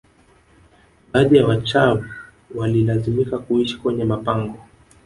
Baadhi ya wachawi walilazimika kuishi kwenye mapango